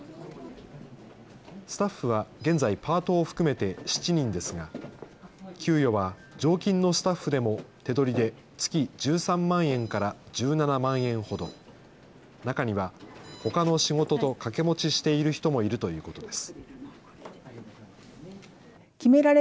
スタッフは現在パートを含めて７人ですが、給与は常勤のスタッフでも手取りで月１３万円から１７万円ほど。中には、ほかの仕事と掛け持ちしている人もいるということです。